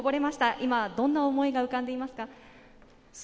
今、どんな思いが浮かんでいますか？